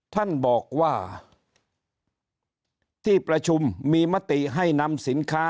ท่านบอกว่าที่ประชุมมีมติให้นำสินค้า